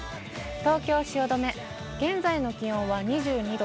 東京・汐留、現在の気温は２２度。